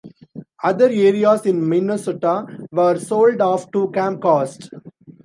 Other areas in Minnesota were sold off to Comcast.